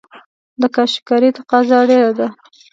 د کاشي کارۍ تقاضا ډیره ده